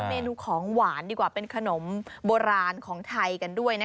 เมนูของหวานดีกว่าเป็นขนมโบราณของไทยกันด้วย